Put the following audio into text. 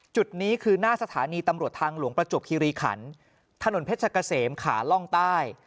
จุดนี้คือหน้าสถานีตำรวจทางหลวงประจวบคิริขันถนนเพชรกะเสมขาล่องใต้